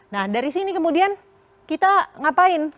nah dari sini kemudian kita ngapain